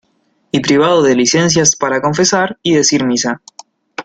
y privado de licencias para confesar y decir misa.